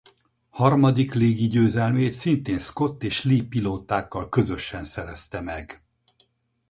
Harmadik légi győzelmét szintén Scott és Lee pilótákkal közösen szerezte meg.